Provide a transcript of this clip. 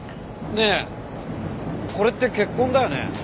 ねえこれって血痕だよね？